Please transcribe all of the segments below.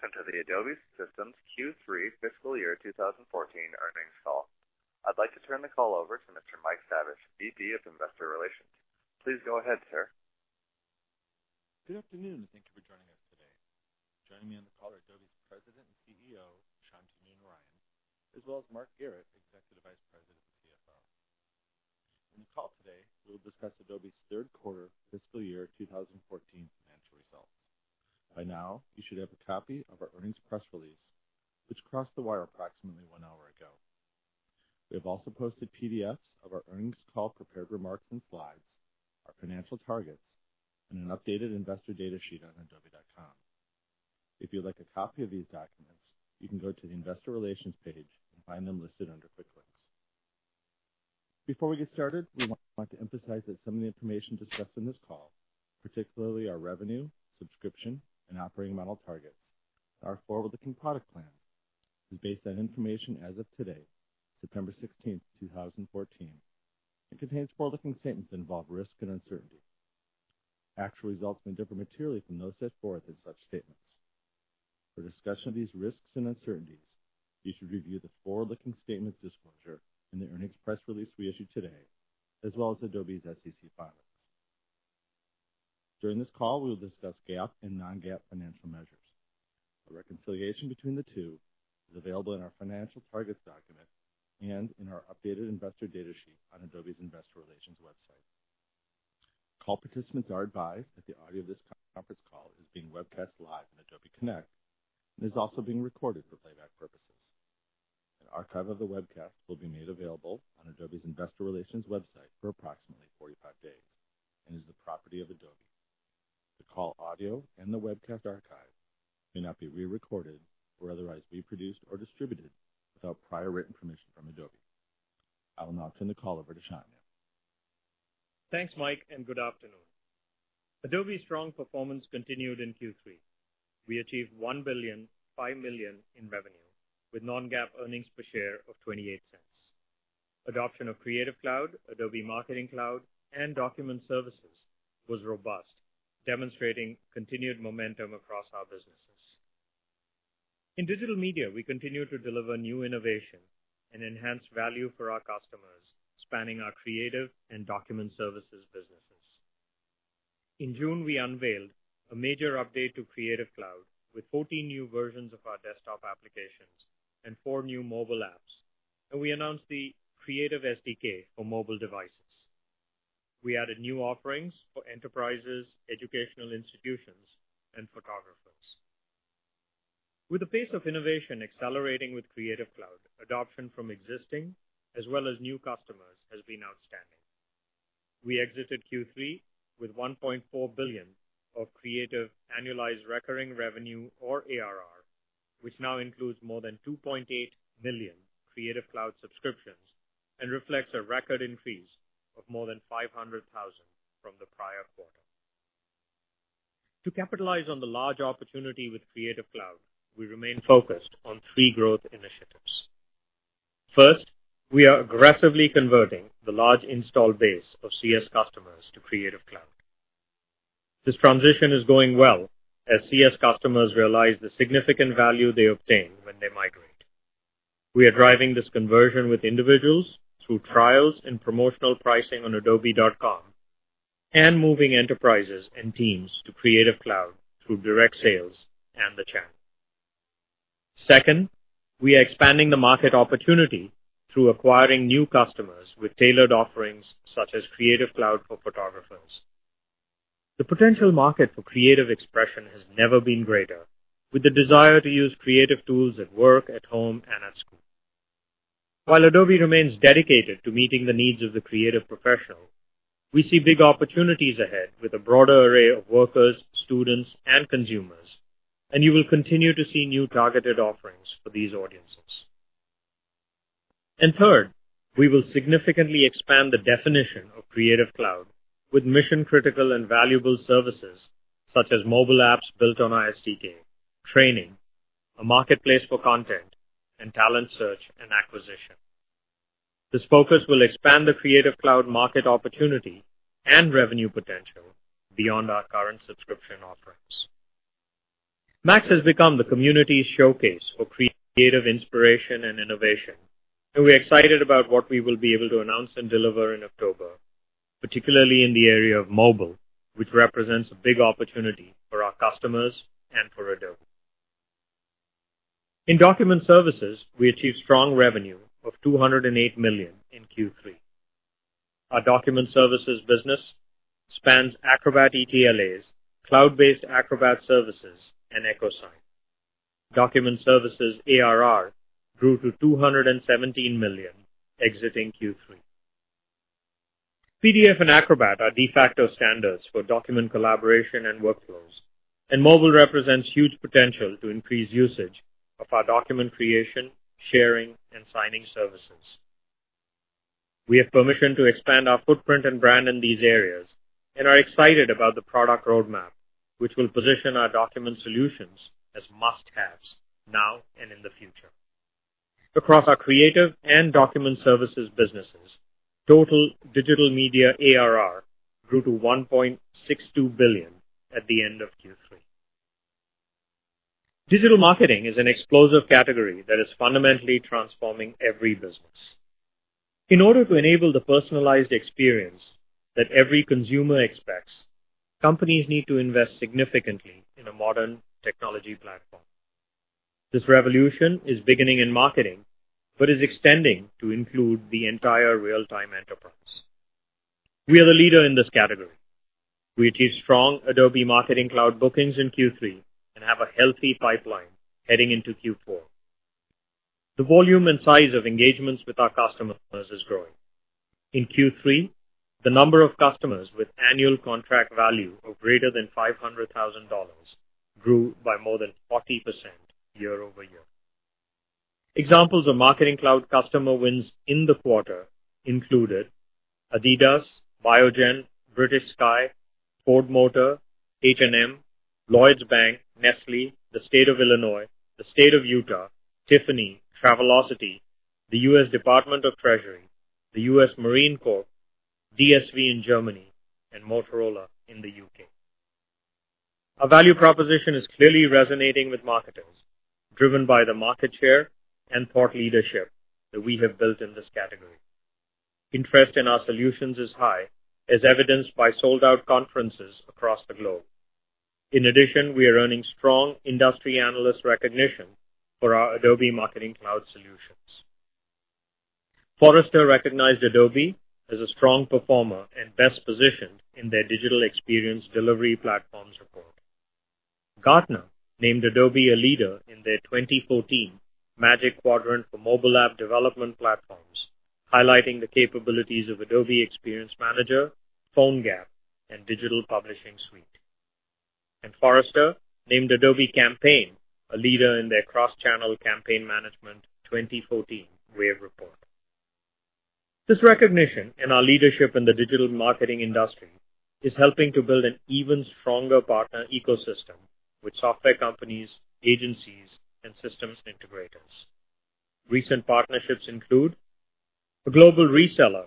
Welcome to the Adobe Systems Q3 fiscal year 2014 earnings call. I'd like to turn the call over to Mr. Mike Saviage, VP of Investor Relations. Please go ahead, sir. Good afternoon. Thank you for joining us today. Joining me on the call are Adobe's President and CEO, Shantanu Narayen, as well as Mark Garrett, Executive Vice President and CFO. On the call today, we will discuss Adobe's third quarter fiscal year 2014 financial results. By now, you should have a copy of our earnings press release, which crossed the wire approximately one hour ago. We have also posted PDFs of our earnings call prepared remarks and slides, our financial targets, and an updated investor data sheet on adobe.com. If you'd like a copy of these documents, you can go to the investor relations page and find them listed under Quick Links. Before we get started, we want to emphasize that some of the information discussed on this call, particularly our revenue, subscription, and operating model targets, and our forward-looking product plan, is based on information as of today, September 16th, 2014, and contains forward-looking statements that involve risk and uncertainty. Actual results may differ materially from those set forth in such statements. For discussion of these risks and uncertainties, you should review the forward-looking statements disclosure in the earnings press release we issued today, as well as Adobe's SEC filings. During this call, we will discuss GAAP and non-GAAP financial measures. A reconciliation between the two is available in our financial targets document and in our updated investor data sheet on Adobe's investor relations website. Call participants are advised that the audio of this conference call is being webcast live on Adobe Connect and is also being recorded for playback purposes. An archive of the webcast will be made available on Adobe's investor relations website for approximately 45 days and is the property of Adobe. The call audio and the webcast archive may not be re-recorded or otherwise reproduced or distributed without prior written permission from Adobe. I will now turn the call over to Shantanu. Thanks, Mike, and good afternoon. Adobe's strong performance continued in Q3. We achieved $1.005 billion in revenue with non-GAAP earnings per share of $0.28. Adoption of Creative Cloud, Adobe Marketing Cloud, and Document Services was robust, demonstrating continued momentum across our businesses. In digital media, we continue to deliver new innovation and enhance value for our customers, spanning our creative and Document Services businesses. In June, we unveiled a major update to Creative Cloud with 14 new versions of our desktop applications and four new mobile apps, and we announced the Creative SDK for mobile devices. We added new offerings for enterprises, educational institutions, and photographers. With the pace of innovation accelerating with Creative Cloud, adoption from existing as well as new customers has been outstanding. We exited Q3 with $1.4 billion of Creative annualized recurring revenue or ARR, which now includes more than 2.8 million Creative Cloud subscriptions and reflects a record increase of more than 500,000 from the prior quarter. To capitalize on the large opportunity with Creative Cloud, we remain focused on three growth initiatives. First, we are aggressively converting the large install base of CS customers to Creative Cloud. This transition is going well as CS customers realize the significant value they obtain when they migrate. We are driving this conversion with individuals through trials and promotional pricing on adobe.com and moving enterprises and teams to Creative Cloud through direct sales and the channel. Second, we are expanding the market opportunity through acquiring new customers with tailored offerings such as Creative Cloud for photographers. The potential market for creative expression has never been greater, with the desire to use creative tools at work, at home, and at school. While Adobe remains dedicated to meeting the needs of the creative professional, we see big opportunities ahead with a broader array of workers, students, and consumers, and you will continue to see new targeted offerings for these audiences. Third, we will significantly expand the definition of Creative Cloud with mission-critical and valuable services such as mobile apps built on our SDK, training, a marketplace for content, and talent search and acquisition. This focus will expand the Creative Cloud market opportunity and revenue potential beyond our current subscription offerings. MAX has become the community showcase for creative inspiration and innovation, and we're excited about what we will be able to announce and deliver in October, particularly in the area of mobile, which represents a big opportunity for our customers and for Adobe. In Document Services, we achieved strong revenue of $208 million in Q3. Our Document Services business spans Acrobat ETLAs, cloud-based Acrobat services, and Echo Sign. Document Services ARR grew to $217 million exiting Q3. PDF and Acrobat are de facto standards for document collaboration and workflows, and mobile represents huge potential to increase usage of our document creation, sharing, and signing services. We have permission to expand our footprint and brand in these areas and are excited about the product roadmap, which will position our document solutions as must-haves now and in the future. Across our Creative and Document Services businesses, total digital media ARR grew to $1.62 billion at the end of Q3. Digital marketing is an explosive category that is fundamentally transforming every business. In order to enable the personalized experience that every consumer expects, companies need to invest significantly in a modern technology platform. This revolution is beginning in marketing but is extending to include the entire real-time enterprise. We are the leader in this category. We achieved strong Adobe Marketing Cloud bookings in Q3 and have a healthy pipeline heading into Q4. The volume and size of engagements with our customers is growing. In Q3, the number of customers with annual contract value of greater than $500,000 grew by more than 40% year-over-year. Examples of Marketing Cloud customer wins in the quarter included Adidas, Biogen, British Sky, Ford Motor Company, H&M, Lloyds Bank, Nestlé, the State of Illinois, the State of Utah, Tiffany & Co., Travelocity, the U.S. Department of the Treasury, the U.S. Marine Corps, DSV in Germany, and Motorola in the U.K. Our value proposition is clearly resonating with marketers, driven by the market share and thought leadership that we have built in this category. Interest in our solutions is high, as evidenced by sold-out conferences across the globe. In addition, we are earning strong industry analyst recognition for our Adobe Marketing Cloud solutions. Forrester recognized Adobe as a strong performer and best positioned in their digital experience delivery platforms report. Gartner named Adobe a leader in their 2014 Magic Quadrant for mobile app development platforms, highlighting the capabilities of Adobe Experience Manager, PhoneGap, and Digital Publishing Suite. Forrester named Adobe Campaign a leader in their Cross-Channel Campaign Management 2014 Wave report. This recognition and our leadership in the digital marketing industry is helping to build an even stronger partner ecosystem with software companies, agencies, and systems integrators. Recent partnerships include a global reseller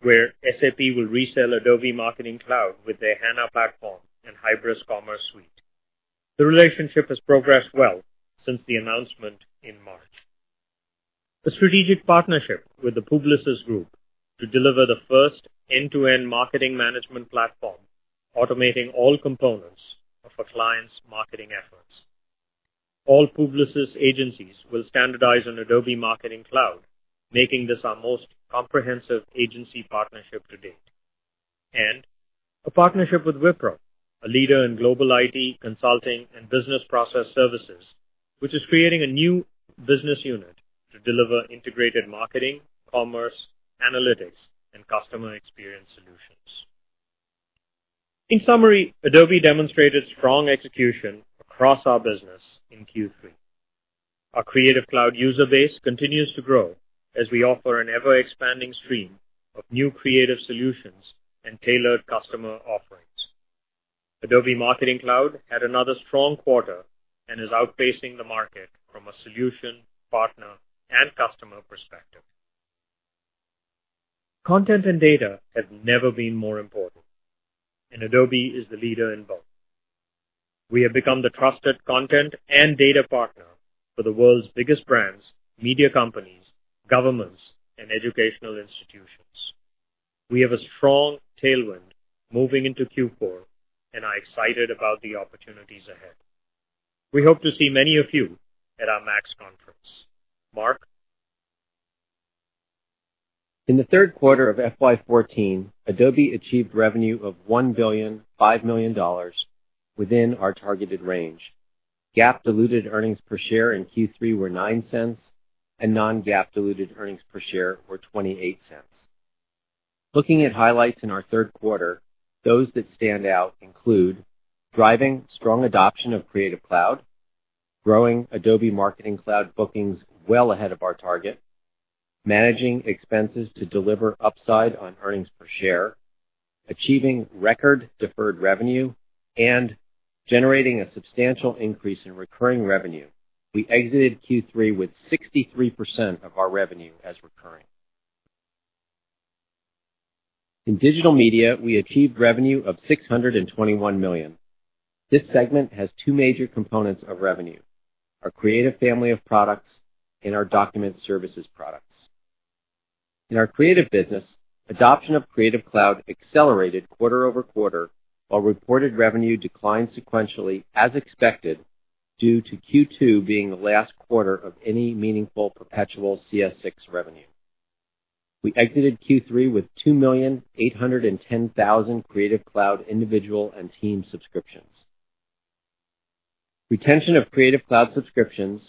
where SAP will resell Adobe Marketing Cloud with their HANA platform and hybris Commerce Suite. The relationship has progressed well since the announcement in March. A strategic partnership with the Publicis Groupe to deliver the first end-to-end marketing management platform automating all components of a client's marketing efforts. All Publicis agencies will standardize on Adobe Marketing Cloud, making this our most comprehensive agency partnership to date. A partnership with Wipro, a leader in global IT consulting and business process services, which is creating a new business unit to deliver integrated marketing, commerce, analytics, and customer experience solutions. In summary, Adobe demonstrated strong execution across our business in Q3. Our Creative Cloud user base continues to grow as we offer an ever-expanding stream of new creative solutions and tailored customer offerings. Adobe Marketing Cloud had another strong quarter and is outpacing the market from a solution, partner, and customer perspective. Content and data have never been more important, and Adobe is the leader in both. We have become the trusted content and data partner for the world's biggest brands, media companies, governments, and educational institutions. We have a strong tailwind moving into Q4 and are excited about the opportunities ahead. We hope to see many of you at our MAX conference. Mark? In the third quarter of FY 2014, Adobe achieved revenue of $1.005 billion within our targeted range. GAAP diluted earnings per share in Q3 were $0.09, and non-GAAP diluted earnings per share were $0.28. Looking at highlights in our third quarter, those that stand out include driving strong adoption of Creative Cloud, growing Adobe Marketing Cloud bookings well ahead of our target, managing expenses to deliver upside on earnings per share, achieving record deferred revenue, and generating a substantial increase in recurring revenue. We exited Q3 with 63% of our revenue as recurring. In Digital Media, we achieved revenue of $621 million. This segment has two major components of revenue: our creative family of products and our Document Services products. In our Creative business, adoption of Creative Cloud accelerated quarter-over-quarter, while reported revenue declined sequentially as expected due to Q2 being the last quarter of any meaningful perpetual CS6 revenue. We exited Q3 with 2,810,000 Creative Cloud individual and team subscriptions. Retention of Creative Cloud subscriptions,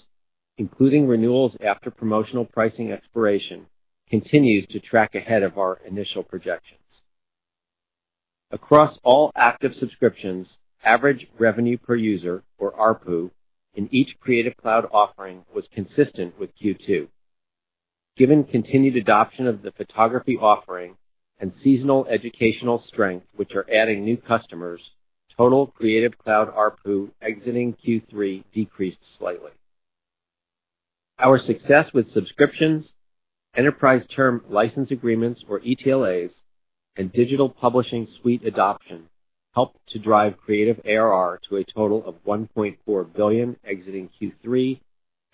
including renewals after promotional pricing expiration, continues to track ahead of our initial projections. Across all active subscriptions, average revenue per user, or ARPU, in each Creative Cloud offering was consistent with Q2. Given continued adoption of the Photography offering and seasonal educational strength, which are adding new customers, total Creative Cloud ARPU exiting Q3 decreased slightly. Our success with subscriptions, Enterprise Term License Agreements, or ETLAs, and Digital Publishing Suite adoption helped to drive Creative ARR to a total of $1.4 billion exiting Q3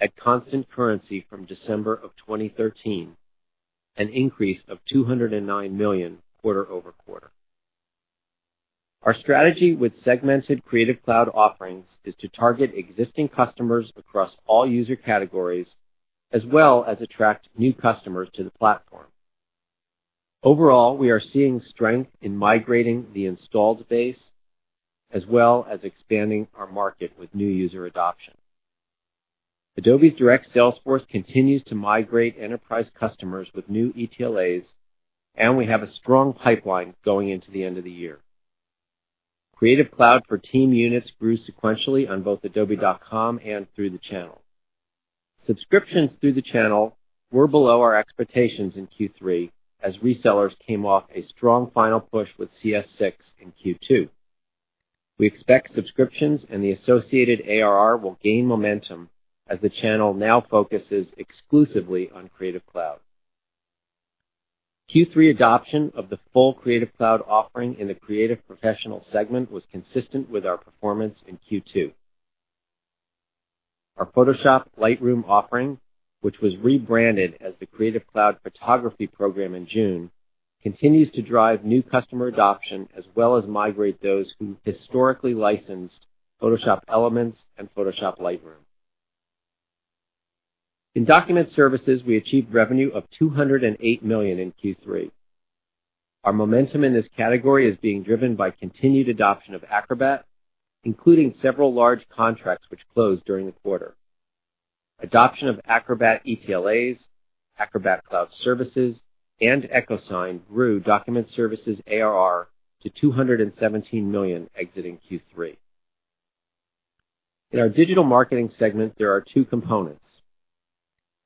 at constant currency from December 2013, an increase of $209 million quarter-over-quarter. Our strategy with segmented Creative Cloud offerings is to target existing customers across all user categories, as well as attract new customers to the platform. Overall, we are seeing strength in migrating the installed base, as well as expanding our market with new user adoption. Adobe's direct sales force continues to migrate enterprise customers with new ETLAs, and we have a strong pipeline going into the end of the year. Creative Cloud for Team units grew sequentially on both adobe.com and through the channel. Subscriptions through the channel were below our expectations in Q3 as resellers came off a strong final push with CS6 in Q2. We expect subscriptions and the associated ARR will gain momentum as the channel now focuses exclusively on Creative Cloud. Q3 adoption of the full Creative Cloud offering in the Creative Professional segment was consistent with our performance in Q2. Our Photoshop Lightroom offering, which was rebranded as the Creative Cloud Photography program in June, continues to drive new customer adoption, as well as migrate those who historically licensed Photoshop Elements and Photoshop Lightroom. In Document Services, we achieved revenue of $208 million in Q3. Our momentum in this category is being driven by continued adoption of Acrobat, including several large contracts which closed during the quarter. Adoption of Acrobat ETLAs, Acrobat Cloud services, and EchoSign grew Document Services ARR to $217 million exiting Q3. In our Digital Marketing segment, there are two components.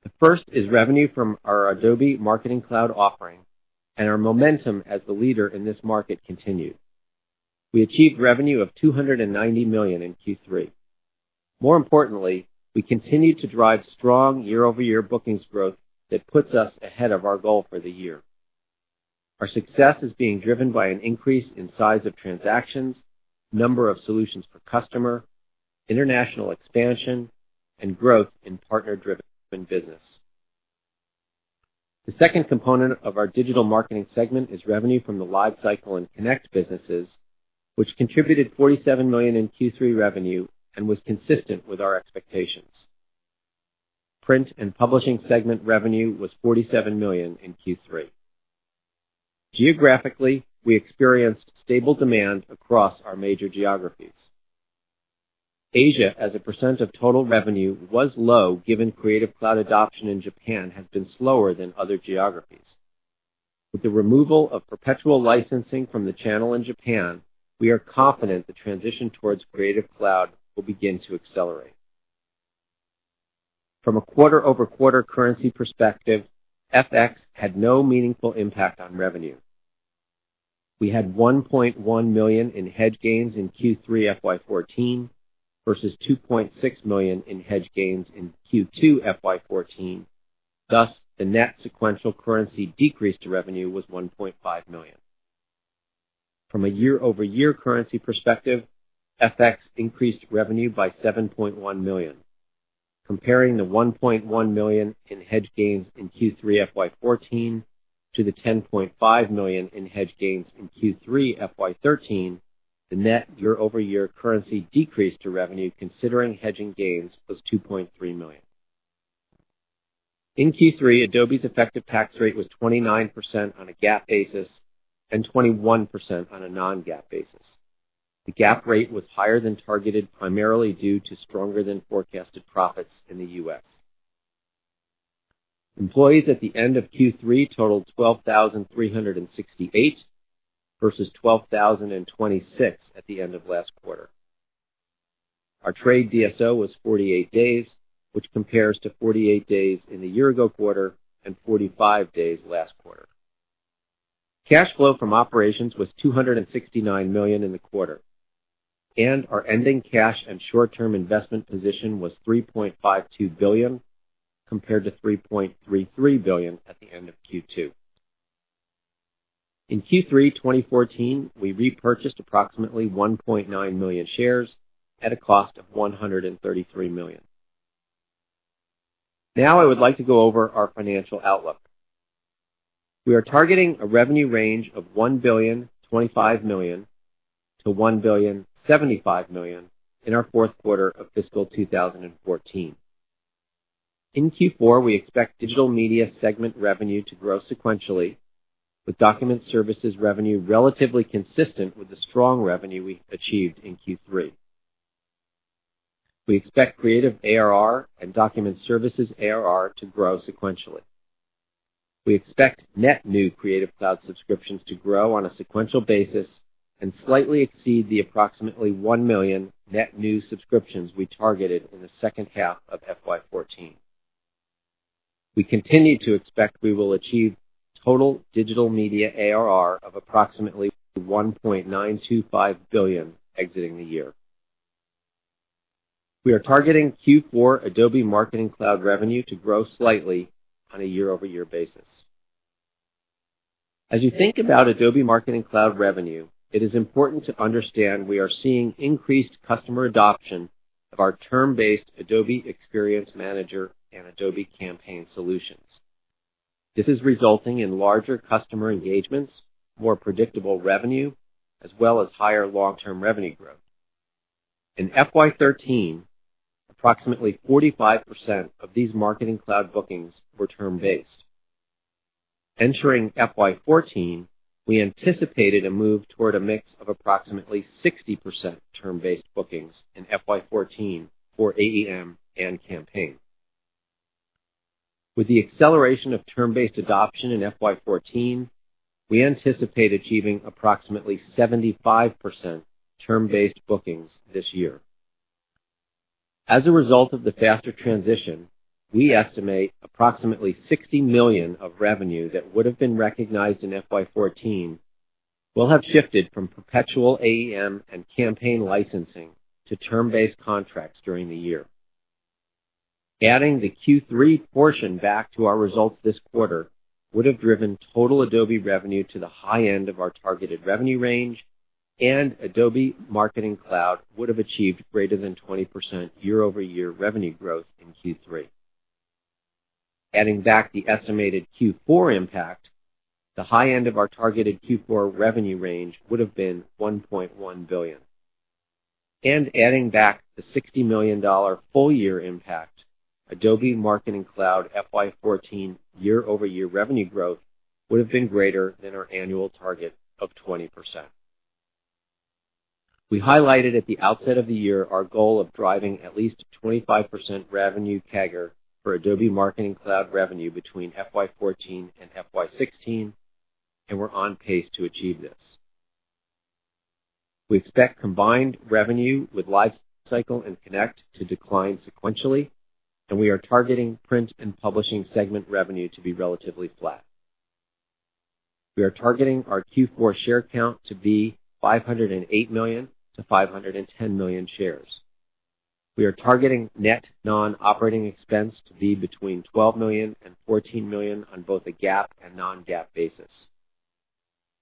The first is revenue from our Adobe Marketing Cloud offering, and our momentum as the leader in this market continued. We achieved revenue of $290 million in Q3. More importantly, we continued to drive strong year-over-year bookings growth that puts us ahead of our goal for the year. Our success is being driven by an increase in size of transactions, number of solutions per customer, international expansion, and growth in partner-driven business. The second component of our Digital Marketing segment is revenue from the LiveCycle and Connect businesses, which contributed $47 million in Q3 revenue and was consistent with our expectations. Print and Publishing segment revenue was $47 million in Q3. Geographically, we experienced stable demand across our major geographies. Asia as a percent of total revenue was low given Creative Cloud adoption in Japan has been slower than other geographies. With the removal of perpetual licensing from the channel in Japan, we are confident the transition towards Creative Cloud will begin to accelerate. From a quarter-over-quarter currency perspective, FX had no meaningful impact on revenue. We had $1.1 million in hedge gains in Q3 FY 2014 versus $2.6 million in hedge gains in Q2 FY 2014. The net sequential currency decrease to revenue was $1.5 million. From a year-over-year currency perspective, FX increased revenue by $7.1 million. Comparing the $1.1 million in hedge gains in Q3 FY 2014 to the $10.5 million in hedge gains in Q3 FY 2013, the net year-over-year currency decrease to revenue considering hedging gains was $2.3 million. In Q3, Adobe's effective tax rate was 29% on a GAAP basis and 21% on a non-GAAP basis. The GAAP rate was higher than targeted, primarily due to stronger than forecasted profits in the U.S. Employees at the end of Q3 totaled 12,368 versus 12,026 at the end of last quarter. Our trade DSO was 48 days, which compares to 48 days in the year-ago quarter and 45 days last quarter. Cash flow from operations was $269 million in the quarter, and our ending cash and short-term investment position was $3.52 billion, compared to $3.33 billion at the end of Q2. In Q3 2014, we repurchased approximately 1.9 million shares at a cost of $133 million. I would like to go over our financial outlook. We are targeting a revenue range of $1.025 billion-$1.075 billion in our fourth quarter of fiscal 2014. In Q4, we expect Digital Media segment revenue to grow sequentially with Document Services revenue relatively consistent with the strong revenue we achieved in Q3. We expect Creative ARR and Document Services ARR to grow sequentially. We expect net new Creative Cloud subscriptions to grow on a sequential basis and slightly exceed the approximately 1 million net new subscriptions we targeted in the second half of FY 2014. We continue to expect we will achieve total Digital Media ARR of approximately $1.925 billion exiting the year. We are targeting Q4 Adobe Marketing Cloud revenue to grow slightly on a year-over-year basis. As you think about Adobe Marketing Cloud revenue, it is important to understand we are seeing increased customer adoption of our term-based Adobe Experience Manager and Adobe Campaign solutions. This is resulting in larger customer engagements, more predictable revenue, as well as higher long-term revenue growth. In FY 2013, approximately 45% of these Marketing Cloud bookings were term-based. Entering FY 2014, we anticipated a move toward a mix of approximately 60% term-based bookings in FY 2014 for AEM and Campaign. With the acceleration of term-based adoption in FY 2014, we anticipate achieving approximately 75% term-based bookings this year. As a result of the faster transition, we estimate approximately $60 million of revenue that would have been recognized in FY 2014 will have shifted from perpetual AEM and Campaign licensing to term-based contracts during the year. Adding the Q3 portion back to our results this quarter would have driven total Adobe revenue to the high end of our targeted revenue range, and Adobe Marketing Cloud would have achieved greater than 20% year-over-year revenue growth in Q3. Adding back the estimated Q4 impact, the high end of our targeted Q4 revenue range would have been $1.1 billion. Adding back the $60 million full-year impact, Adobe Marketing Cloud FY 2014 year-over-year revenue growth would have been greater than our annual target of 20%. We highlighted at the outset of the year our goal of driving at least 25% revenue CAGR for Adobe Marketing Cloud revenue between FY 2014 and FY 2016, and we're on pace to achieve this. We expect combined revenue with LiveCycle and Connect to decline sequentially, and we are targeting Print and Publishing segment revenue to be relatively flat. We are targeting our Q4 share count to be 508 million to 510 million shares. We are targeting net non-operating expense to be between $12 million and $14 million on both a GAAP and non-GAAP basis.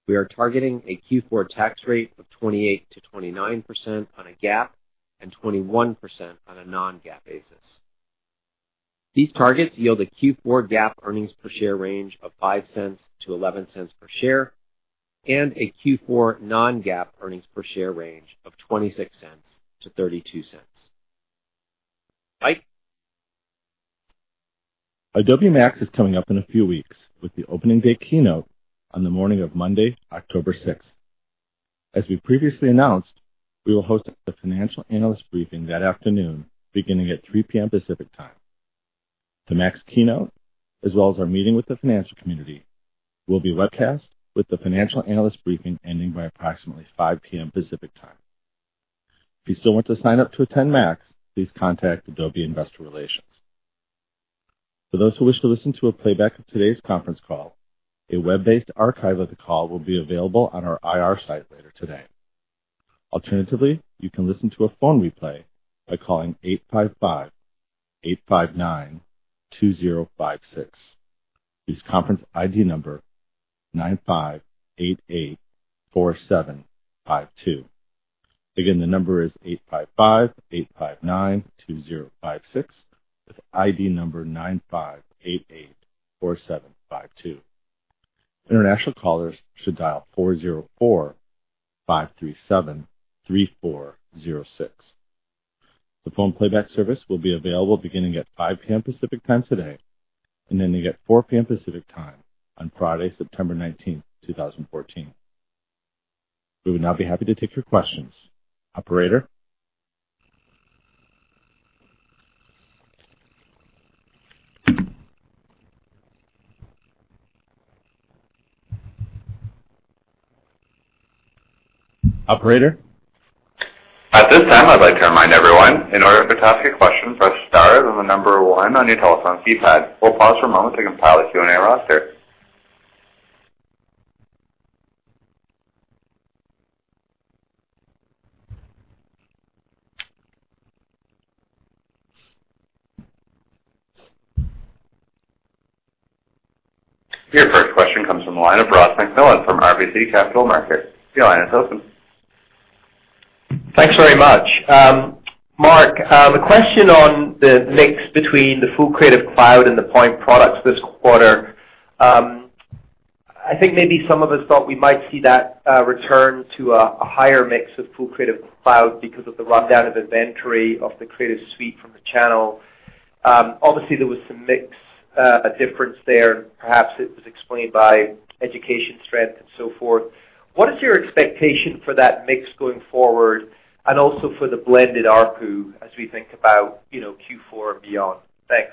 We are targeting a Q4 tax rate of 28%-29% on a GAAP and 21% on a non-GAAP basis. These targets yield a Q4 GAAP earnings per share range of $0.05 to $0.11 per share and a Q4 non-GAAP earnings per share range of $0.26 to $0.32. Mike? Adobe MAX is coming up in a few weeks with the opening day keynote on the morning of Monday, October 6th. As we previously announced, we will host a financial analyst briefing that afternoon, beginning at 3:00 P.M. Pacific Time. The MAX keynote, as well as our meeting with the financial community, will be webcast, with the financial analyst briefing ending by approximately 5:00 P.M. Pacific Time. If you still want to sign up to attend MAX, please contact Adobe Investor Relations. For those who wish to listen to a playback of today's conference call, a web-based archive of the call will be available on our IR site later today. Alternatively, you can listen to a phone replay by calling 855-859-2056. Use conference ID number 95884752. Again, the number is 855-859-2056 with ID number 95884752. International callers should dial 404-537-3406. The phone playback service will be available beginning at 5:00 P.M. Pacific Time today, and ending at 4:00 P.M. Pacific Time on Friday, September 19, 2014. We would now be happy to take your questions. Operator? Operator? At this time, I'd like to remind everyone, in order to ask a question, press star, then the number one on your telephone keypad. We'll pause for a moment to compile a Q&A roster. Your first question comes from the line of Ross MacMillan from RBC Capital Markets. Your line is open. Thanks very much. Mark, the question on the mix between the full Creative Cloud and the Point products this quarter, I think maybe some of us thought we might see that return to a higher mix of full Creative Cloud because of the rundown of inventory of the Creative Suite from the channel. Obviously, there was some mix, a difference there. Perhaps it was explained by education strength and so forth. What is your expectation for that mix going forward? Also for the blended ARPU as we think about Q4 and beyond. Thanks.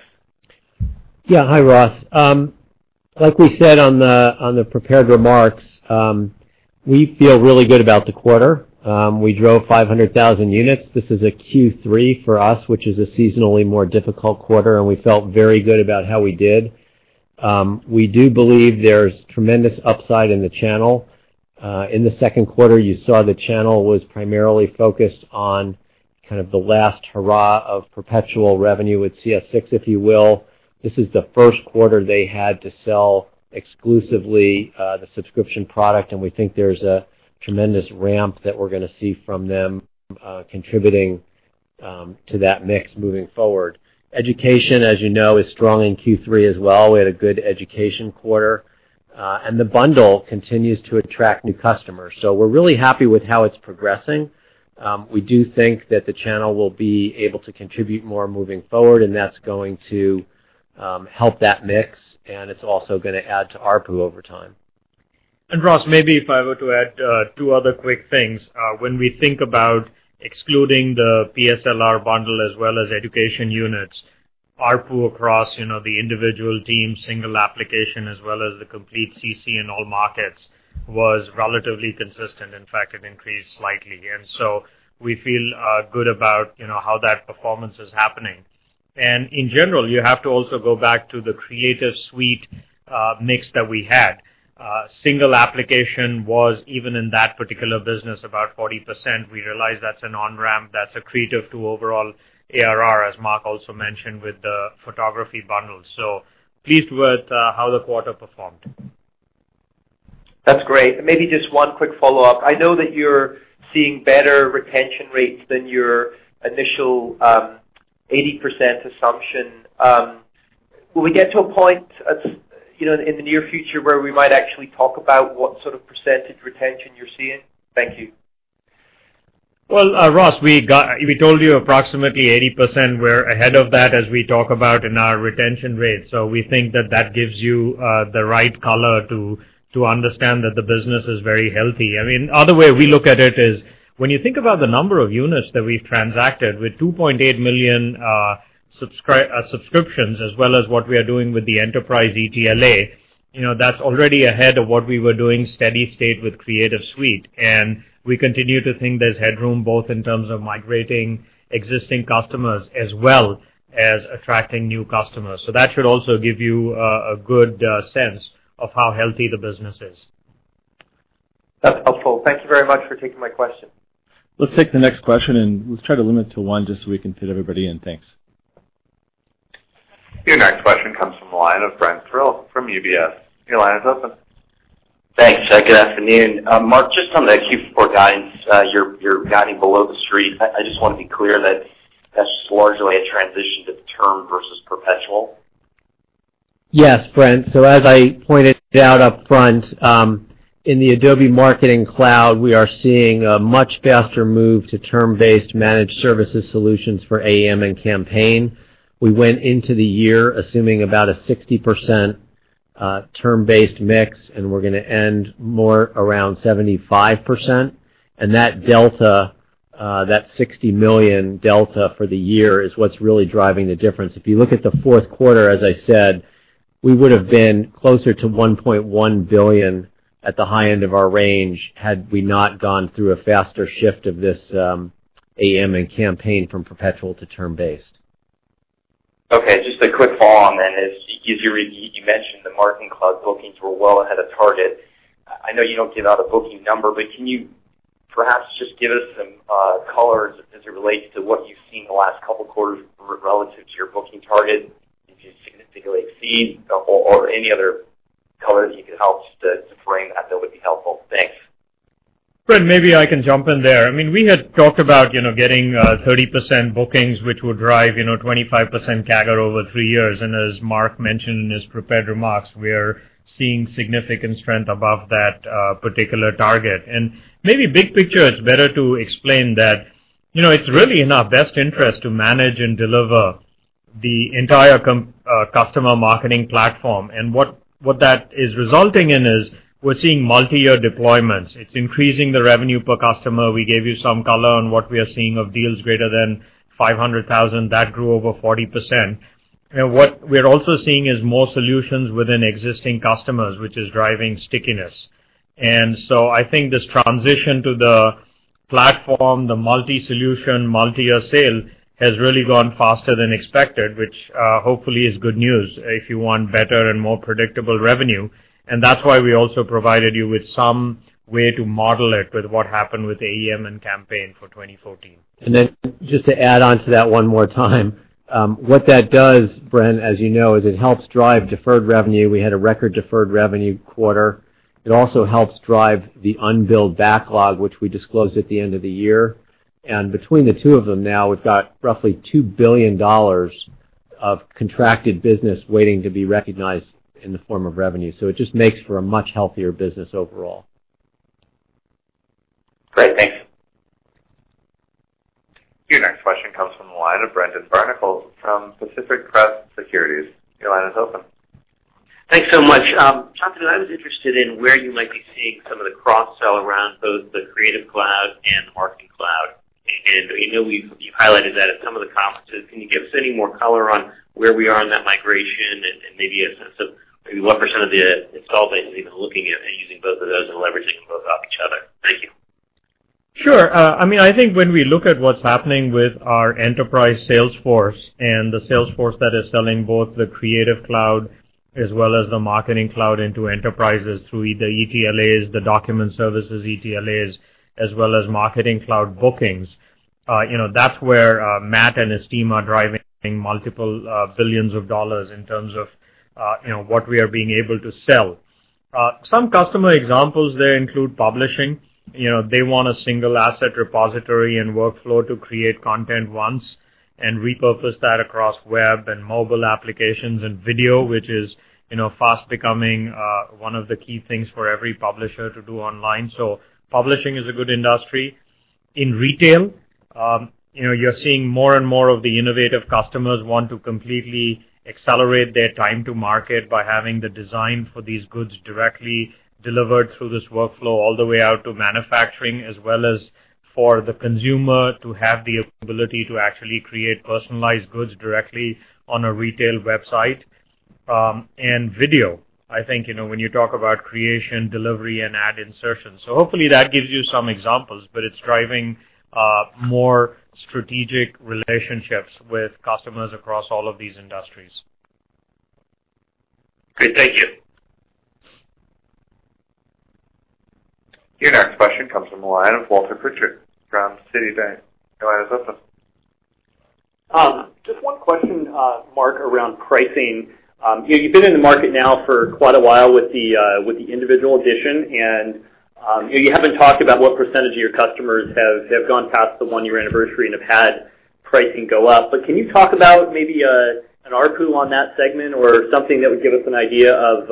Yeah. Hi, Ross. Like we said on the prepared remarks, we feel really good about the quarter. We drove 500,000 units. This is a Q3 for us, which is a seasonally more difficult quarter, and we felt very good about how we did. We do believe there's tremendous upside in the channel. In the second quarter, you saw the channel was primarily focused on kind of the last hurrah of perpetual revenue with CS6, if you will. This is the first quarter they had to sell exclusively the subscription product, and we think there's a tremendous ramp that we're going to see from them contributing to that mix moving forward. Education, as you know, is strong in Q3 as well. We had a good education quarter. The bundle continues to attract new customers. We're really happy with how it's progressing. We do think that the channel will be able to contribute more moving forward, and that's going to help that mix, and it's also going to add to ARPU over time. Ross, maybe if I were to add two other quick things. When we think about excluding the Ps & Lr bundle as well as education units, ARPU across the individual team, single application, as well as the complete CC in all markets, was relatively consistent. In fact, it increased slightly. We feel good about how that performance is happening. In general, you have to also go back to the Creative Suite mix that we had. Single application was, even in that particular business, about 40%. We realize that's an on-ramp, that's accretive to overall ARR, as Mark also mentioned with the photography bundle. Pleased with how the quarter performed. That's great. Maybe just one quick follow-up. I know that you're seeing better retention rates than your initial 80% assumption. Will we get to a point in the near future where we might actually talk about what sort of % retention you're seeing? Thank you. Well, Ross, we told you approximately 80%. We're ahead of that as we talk about in our retention rates. We think that that gives you the right color to understand that the business is very healthy. I mean, other way we look at it is when you think about the number of units that we've transacted with 2.8 million subscriptions, as well as what we are doing with the enterprise ETLA, that's already ahead of what we were doing steady state with Creative Suite. We continue to think there's headroom, both in terms of migrating existing customers as well as attracting new customers. That should also give you a good sense of how healthy the business is. That's helpful. Thank you very much for taking my question. Let's take the next question. Let's try to limit it to one just so we can fit everybody in. Thanks. Your next question comes from the line of Brent Thill from UBS. Your line is open. Thanks. Good afternoon. Mark, just on the Q4 guidance, you're guiding below the street. I just want to be clear that that's largely a transition to term versus perpetual. Yes, Brent. As I pointed out upfront, in the Adobe Marketing Cloud, we are seeing a much faster move to term-based managed services solutions for AEM and Campaign. We went into the year assuming about a 60% term-based mix, and we're going to end more around 75%. That delta, that $60 million delta for the year, is what's really driving the difference. If you look at the fourth quarter, as I said, we would have been closer to $1.1 billion at the high end of our range had we not gone through a faster shift of this AEM and Campaign from perpetual to term-based. Just a quick follow-on then is, you mentioned the Marketing Cloud bookings were well ahead of target. I know you do not give out a booking number, but can you perhaps just give us some color as it relates to what you have seen the last couple quarters relative to your booking target? Did you significantly exceed, or any other color that you could help just to frame that would be helpful? Thanks. Brent, maybe I can jump in there. We had talked about getting 30% bookings, which would drive 25% CAGR over three years. As Mark mentioned in his prepared remarks, we are seeing significant strength above that particular target. Maybe big picture, it is better to explain that it is really in our best interest to manage and deliver the entire customer marketing platform. What that is resulting in is we are seeing multi-year deployments. It is increasing the revenue per customer. We gave you some color on what we are seeing of deals greater than $500,000. That grew over 40%. What we are also seeing is more solutions within existing customers, which is driving stickiness. I think this transition to the platform, the multi-solution, multi-year sale, has really gone faster than expected, which hopefully is good news if you want better and more predictable revenue. That is why we also provided you with some way to model it with what happened with AEM and Campaign for 2014. Just to add on to that one more time. What that does, Brent, as you know, is it helps drive deferred revenue. We had a record deferred revenue quarter. It also helps drive the unbilled backlog, which we disclosed at the end of the year. Between the two of them now, we have got roughly $2 billion of contracted business waiting to be recognized in the form of revenue. It just makes for a much healthier business overall. Great. Thanks. Your next question comes from the line of Brendan Barnicle from Pacific Crest Securities. Your line is open. Thanks so much. Shantanu, I was interested in where you might be seeing some of the cross-sell around both the Creative Cloud and the Marketing Cloud. I know you highlighted that in some of the conferences. Can you give us any more color on where we are in that migration and maybe a sense of maybe what % of the install base is even looking at and using both of those and leveraging them both off each other? Thank you. Sure. I think when we look at what's happening with our enterprise sales force and the sales force that is selling both the Creative Cloud as well as the Marketing Cloud into enterprises through either ETLAs, the Document Services ETLAs, as well as Marketing Cloud bookings, that's where Matt and his team are driving multiple billions of dollars in terms of what we are being able to sell. Some customer examples there include publishing. They want a single asset repository and workflow to create content once and repurpose that across web and mobile applications and video, which is fast becoming one of the key things for every publisher to do online. Publishing is a good industry. In retail, you're seeing more and more of the innovative customers want to completely accelerate their time to market by having the design for these goods directly delivered through this workflow all the way out to manufacturing, as well as for the consumer to have the ability to actually create personalized goods directly on a retail website. Video, I think, when you talk about creation, delivery, and ad insertion. Hopefully that gives you some examples, but it's driving more strategic relationships with customers across all of these industries. Great. Thank you. Your next question comes from the line of Walter Pritchard from Citigroup. Your line is open. Just one question, Mark, around pricing. You've been in the market now for quite a while with the Individual edition, and you haven't talked about what % of your customers have gone past the one-year anniversary and have had pricing go up. Can you talk about maybe an ARPU on that segment or something that would give us an idea of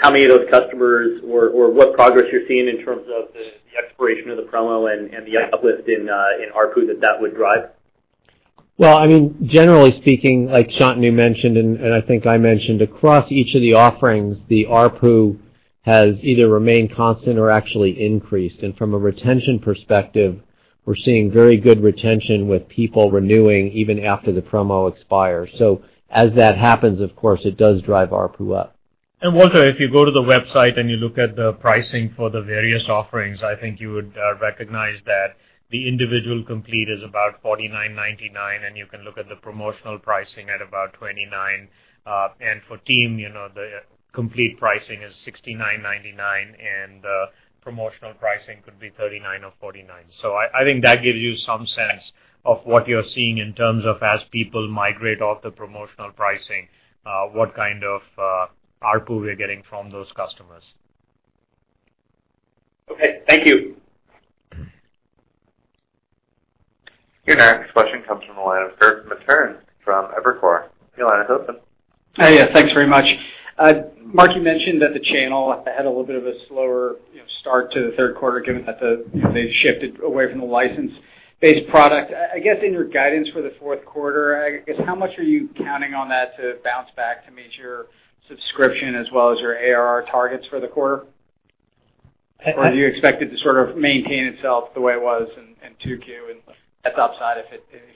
how many of those customers or what progress you're seeing in terms of the expiration of the promo and the uplift in ARPU that that would drive? Well, generally speaking, like Shantanu mentioned, and I think I mentioned, across each of the offerings, the ARPU has either remained constant or actually increased. From a retention perspective, we're seeing very good retention with people renewing even after the promo expires. As that happens, of course, it does drive ARPU up. Walter, if you go to the website and you look at the pricing for the various offerings, I think you would recognize that the Individual Complete is about $49.99. You can look at the promotional pricing at about $29. For Team, the Complete pricing is $69.99, and promotional pricing could be $39 or $49. I think that gives you some sense of what you're seeing in terms of as people migrate off the promotional pricing, what kind of ARPU we are getting from those customers. Okay. Thank you. Your next question comes from the line of Kirk Materne from Evercore. Your line is open. Thanks very much. Mark, you mentioned that the channel had a little bit of a slower start to the third quarter, given that they've shifted away from the license-based product. I guess in your guidance for the fourth quarter, how much are you counting on that to bounce back to meet your subscription as well as your ARR targets for the quarter? Or do you expect it to sort of maintain itself the way it was in 2Q and that's upside if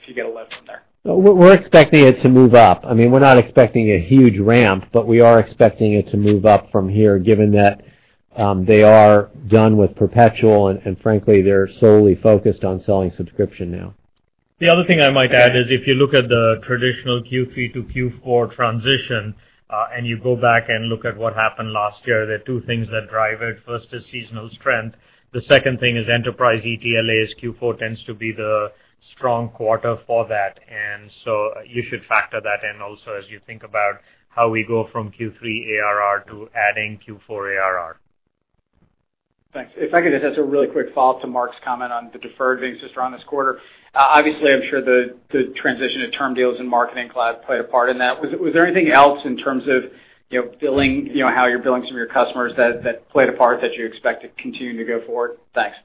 you get a lift from there? We're expecting it to move up. We're not expecting a huge ramp, but we are expecting it to move up from here, given that they are done with perpetual, and frankly, they're solely focused on selling subscription now. The other thing I might add is if you look at the traditional Q3 to Q4 transition, you go back and look at what happened last year, there are two things that drive it. First is seasonal strength. The second thing is enterprise ETLAs. Q4 tends to be the strong quarter for that. So you should factor that in also as you think about how we go from Q3 ARR to adding Q4 ARR. Thanks. If I could just ask a really quick follow-up to Mark's comment on the deferred being so strong this quarter. Obviously, I'm sure the transition to term deals in Marketing Cloud played a part in that. Was there anything else in terms of how you're billing some of your customers that played a part that you expect to continue to go forward? Thanks.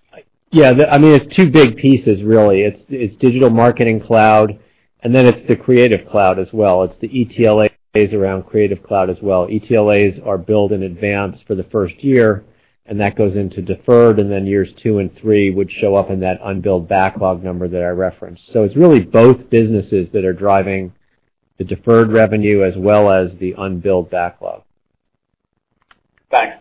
It's two big pieces, really. It's Digital Marketing Cloud, then it's the Creative Cloud as well. It's the ETLAs around Creative Cloud as well. ETLAs are billed in advance for the first year, that goes into deferred, then years 2 and 3 would show up in that unbilled backlog number that I referenced. It's really both businesses that are driving the deferred revenue as well as the unbilled backlog. Thanks.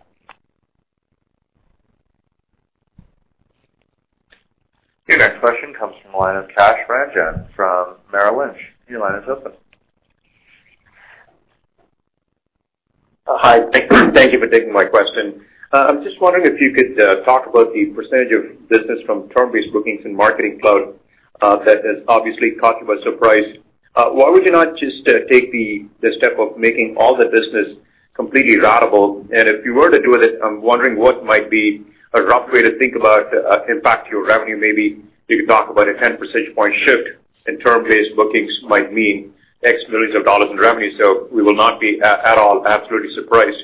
Your next question comes from the line of Kash Rangan from Merrill Lynch. Your line is open. Hi. Thank you for taking my question. I'm just wondering if you could talk about the percentage of business from term-based bookings in Marketing Cloud that has obviously caught you by surprise. Why would you not just take the step of making all the business completely ratable? If you were to do it, I'm wondering what might be a rough way to think about impact to your revenue. Maybe you could talk about a 10 percentage point shift in term-based bookings might mean X millions of dollars in revenue. We will not be at all absolutely surprised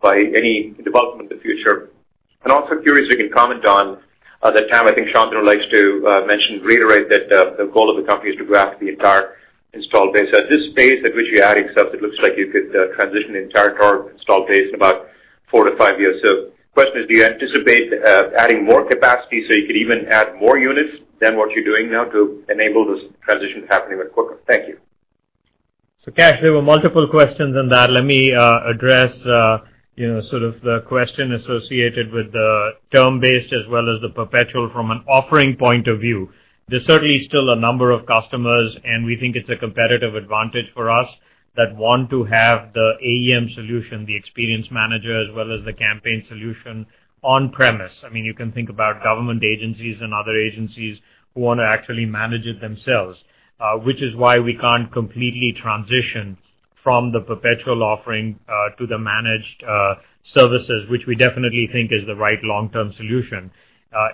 by any development in the future. We can comment on, at that time, I think Shantanu likes to mention, reiterate that the goal of the company is to grab the entire install base. At this pace at which you're adding stuff, it looks like you could transition the entire current install base in about 4 to 5 years. The question is, do you anticipate adding more capacity so you could even add more units than what you're doing now to enable this transition to happening even quicker? Thank you. Kash, there were multiple questions in that. Let me address the question associated with the term-based as well as the perpetual from an offering point of view. There's certainly still a number of customers, and we think it's a competitive advantage for us, that want to have the AEM solution, the Experience Manager, as well as the campaign solution on-premise. You can think about government agencies and other agencies who want to actually manage it themselves, which is why we can't completely transition from the perpetual offering to the managed services, which we definitely think is the right long-term solution.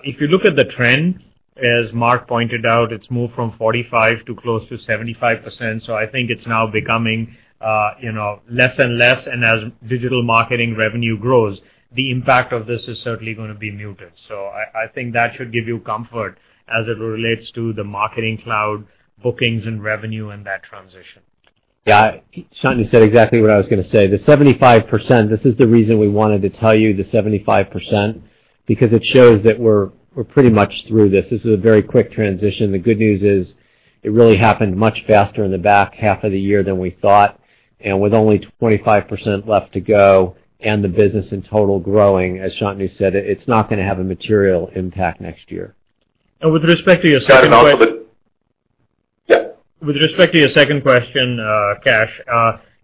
If you look at the trend, as Mark pointed out, it's moved from 45 to close to 75%, I think it's now becoming less and less, and as digital marketing revenue grows, the impact of this is certainly going to be muted. I think that should give you comfort as it relates to the Marketing Cloud bookings and revenue and that transition. Yeah. Shantanu said exactly what I was going to say. The 75%, this is the reason we wanted to tell you the 75%, because it shows that we're pretty much through this. This is a very quick transition. The good news is it really happened much faster in the back half of the year than we thought, and with only 25% left to go and the business in total growing, as Shantanu said, it's not going to have a material impact next year. With respect to your second question- Yeah. With respect to your second question, Kash,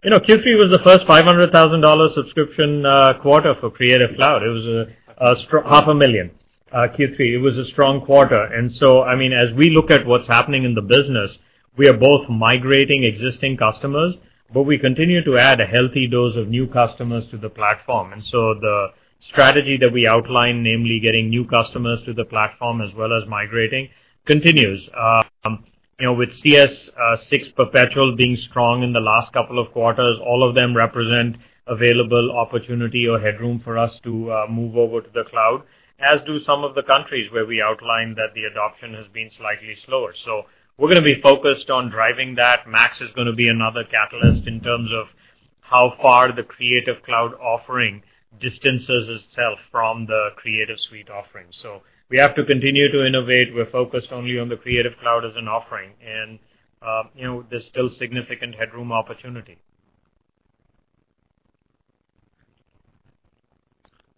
Q3 was the first $500,000 subscription quarter for Creative Cloud. It was half a million, Q3. It was a strong quarter. As we look at what's happening in the business, we are both migrating existing customers, but we continue to add a healthy dose of new customers to the platform. The strategy that we outlined, namely getting new customers to the platform as well as migrating, continues. With CS6 Perpetual being strong in the last couple of quarters, all of them represent available opportunity or headroom for us to move over to the cloud, as do some of the countries where we outlined that the adoption has been slightly slower. We're going to be focused on driving that. MAX is going to be another catalyst in terms of how far the Creative Cloud offering distances itself from the Creative Suite offering. We have to continue to innovate. We're focused only on the Creative Cloud as an offering, and there's still significant headroom opportunity.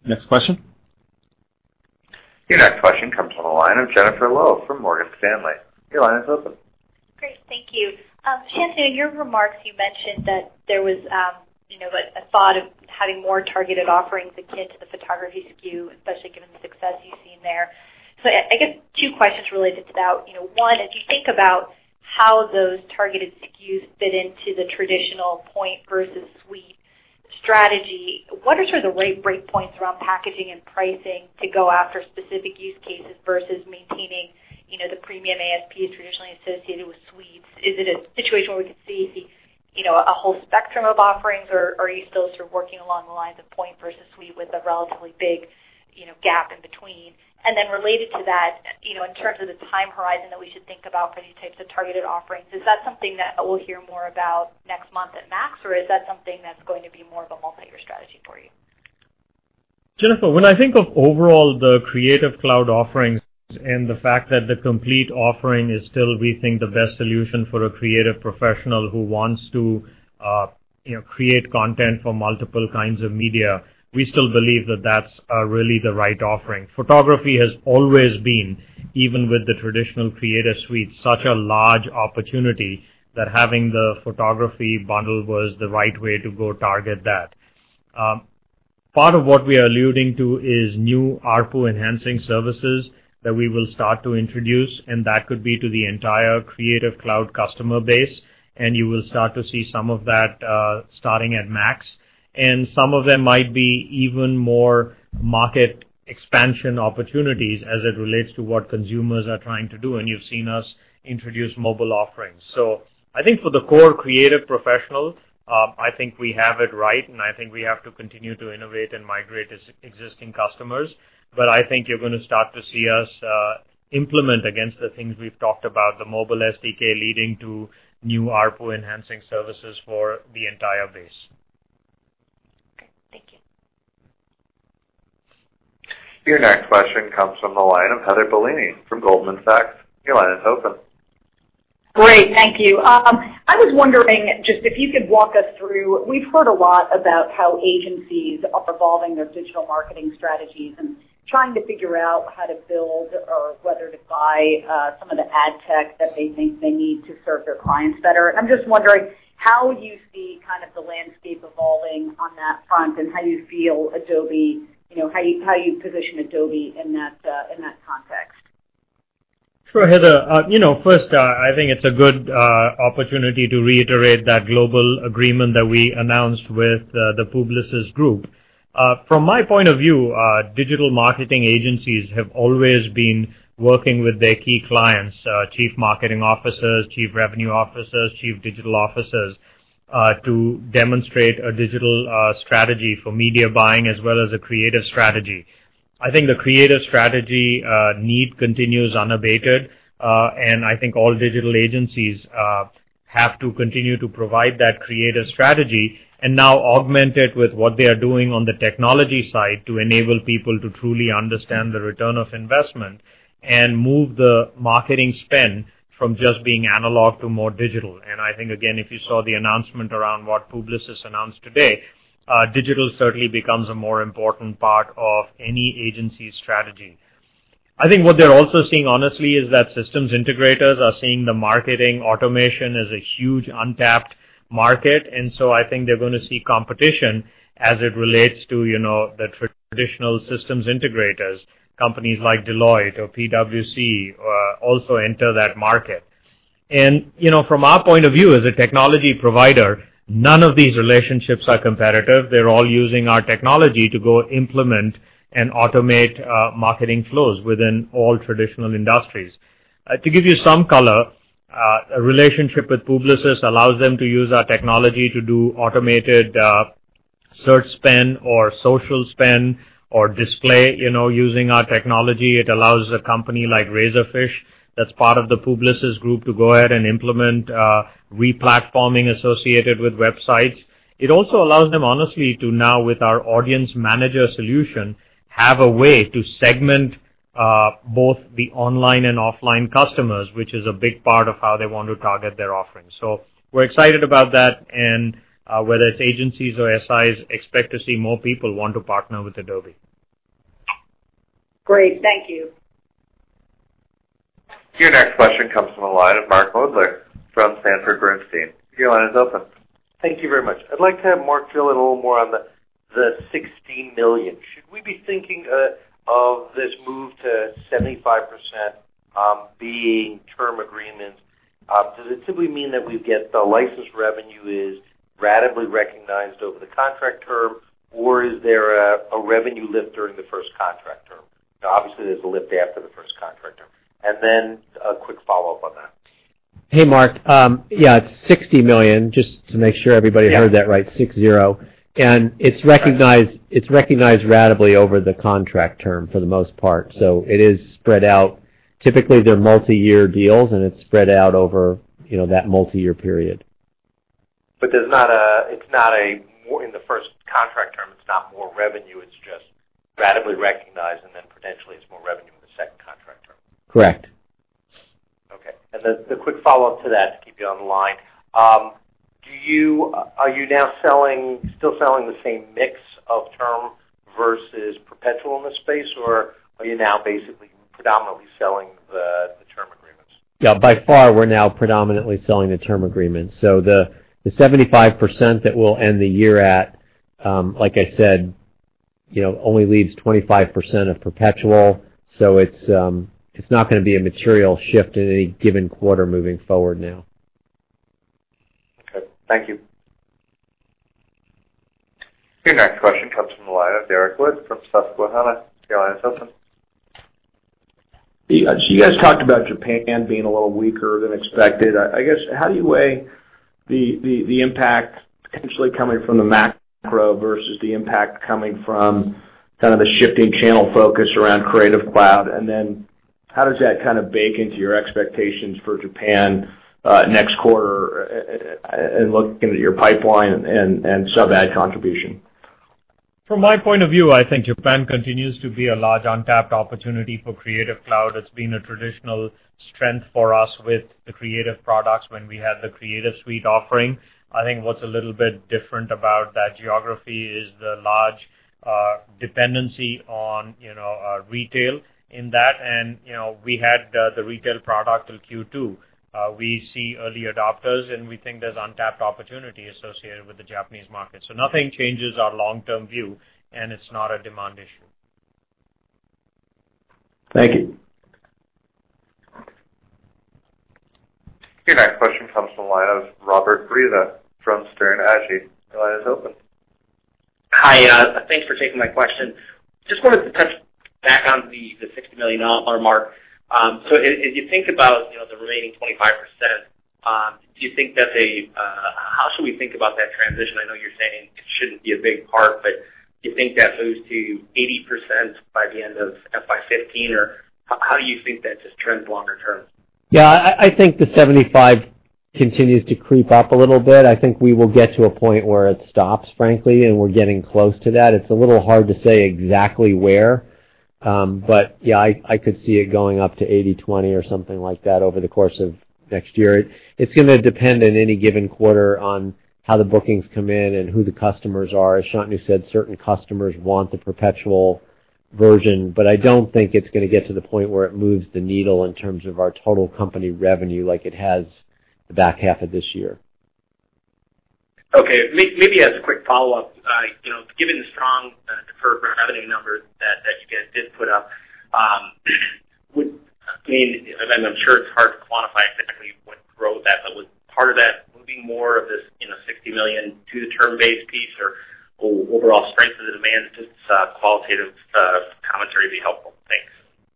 Next question? Your next question comes from the line of Jennifer Lowe from Morgan Stanley. Your line is open. Great. Thank you. Shantanu, in your remarks, you mentioned that there was a thought of having more targeted offerings akin to the photography SKU, especially given the success you've seen there. I guess two questions related to that. One, as you think about how those targeted SKUs fit into the traditional point versus suite strategy, what are sort of the right break points around packaging and pricing to go after specific use cases versus maintaining the premium ASP traditionally associated with suites? Is it a situation where we could see a whole spectrum of offerings, or are you still sort of working along the lines of point versus suite with a relatively big gap in between? Related to that, in terms of the time horizon that we should think about for these types of targeted offerings, is that something that we'll hear more about next month at MAX, or is that something that's going to be more of a multi-year strategy for you? Jennifer, when I think of overall the Creative Cloud offerings and the fact that the complete offering is still, we think, the best solution for a creative professional who wants to create content for multiple kinds of media, we still believe that that's really the right offering. Photography has always been, even with the traditional Creative Suite, such a large opportunity that having the photography bundle was the right way to go target that. Part of what we are alluding to is new ARPU-enhancing services that we will start to introduce, that could be to the entire Creative Cloud customer base, and you will start to see some of that starting at MAX. Some of them might be even more market expansion opportunities as it relates to what consumers are trying to do, and you've seen us introduce mobile offerings. I think for the core creative professional, I think we have it right, and I think we have to continue to innovate and migrate existing customers. I think you're going to start to see us implement against the things we've talked about, the mobile SDK leading to new ARPU-enhancing services for the entire base. Okay. Thank you. Your next question comes from the line of Heather Bellini from Goldman Sachs. Your line is open. Great. Thank you. I was wondering just if you could walk us through, we've heard a lot about how agencies are evolving their digital marketing strategies and trying to figure out how to build or whether to buy some of the ad tech that they think they need to serve their clients better. I'm just wondering how you see kind of the landscape evolving on that front, and how you position Adobe in that context. Sure, Heather. First, I think it's a good opportunity to reiterate that global agreement that we announced with the Publicis Groupe. From my point of view, digital marketing agencies have always been working with their key clients, chief marketing officers, chief revenue officers, chief digital officers, to demonstrate a digital strategy for media buying as well as a creative strategy. I think the creative strategy need continues unabated, and I think all digital agencies have to continue to provide that creative strategy and now augment it with what they are doing on the technology side to enable people to truly understand the return of investment and move the marketing spend from just being analog to more digital. I think, again, if you saw the announcement around what Publicis announced today, digital certainly becomes a more important part of any agency's strategy. I think what they're also seeing, honestly, is that systems integrators are seeing the marketing automation as a huge untapped market. I think they're going to see competition as it relates to the traditional systems integrators, companies like Deloitte or PwC, also enter that market. From our point of view, as a technology provider, none of these relationships are competitive. They're all using our technology to go implement and automate marketing flows within all traditional industries. To give you some color, a relationship with Publicis allows them to use our technology to do automated search spend or social spend or display using our technology. It allows a company like Razorfish, that's part of the Publicis Groupe, to go ahead and implement re-platforming associated with websites. It also allows them, honestly, to now, with our audience manager solution, have a way to segment both the online and offline customers, which is a big part of how they want to target their offerings. We're excited about that, and whether it's agencies or SIs, expect to see more people want to partner with Adobe. Great. Thank you. Your next question comes from the line of Mark Moerdler from Sanford C. Bernstein. Your line is open. Thank you very much. I'd like to have Mark drill in a little more on the $60 million. Should we be thinking of this move to 75% being term agreements? Does it simply mean that we get the license revenue is ratably recognized over the contract term, or is there a revenue lift during the first contract term? Obviously, there's a lift after the first contract term. A quick follow-up on that. Hey, Mark. Yeah, it's $60 million, just to make sure everybody heard that right, six, zero. It's recognized ratably over the contract term for the most part. It is spread out. Typically, they're multi-year deals, and it's spread out over that multi-year period. In the first contract term, it's not more revenue. It's just ratably recognized, potentially it's more revenue in the second contract term. Correct. Okay. The quick follow-up to that, to keep you on the line. Are you now still selling the same mix of term versus perpetual in this space, or are you now basically predominantly selling the term agreements? Yeah, by far, we're now predominantly selling the term agreements. The 75% that we'll end the year at, like I said, only leaves 25% of perpetual, so it's not going to be a material shift in any given quarter moving forward now. Okay. Thank you. Your next question comes from the line of Derrick Wood from Susquehanna. Your line is open. You guys talked about Japan being a little weaker than expected. I guess, how do you weigh the impact potentially coming from the macro versus the impact coming from kind of the shifting channel focus around Creative Cloud? How does that kind of bake into your expectations for Japan next quarter, and looking at your pipeline and subscriber contribution? From my point of view, I think Japan continues to be a large untapped opportunity for Creative Cloud. It's been a traditional strength for us with the creative products when we had the Creative Suite offering. I think what's a little bit different about that geography is the large dependency on retail in that, and we had the retail product till Q2. We see early adopters, and we think there's untapped opportunity associated with the Japanese market. Nothing changes our long-term view, and it's not a demand issue. Thank you. Your next question comes from the line of Robert Breza from Sterne Agee. Your line is open. Hi. Thanks for taking my question. Just wanted to touch back on the $60 million mark. As you think about the remaining 25%, how should we think about that transition? I know you're saying it shouldn't be a big part, but do you think that moves to 80% by the end of FY 2015, or how do you think that just trends longer term? Yeah, I think the 75 continues to creep up a little bit. I think we will get to a point where it stops, frankly, and we're getting close to that. It's a little hard to say exactly where. Yeah, I could see it going up to 80/20 or something like that over the course of next year. It's going to depend on any given quarter on how the bookings come in and who the customers are. As Shantanu said, certain customers want the perpetual version, I don't think it's going to get to the point where it moves the needle in terms of our total company revenue like it has the back half of this year. Okay. Maybe as a quick follow-up, given the strong deferred revenue numbers that you guys did put up, I'm sure it's hard to quantify exactly what drove that, was part of that moving more of this $60 million to the term-based piece, or overall strength of the demand? Just qualitative commentary would be helpful.